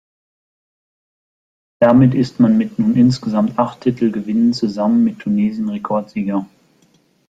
Damit ist man mit nun insgesamt acht Titelgewinnen zusammen mit Tunesien Rekordsieger.